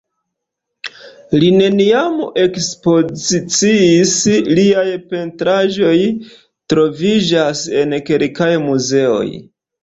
Li neniam ekspoziciis, liaj pentraĵoj troviĝas en kelkaj muzeoj.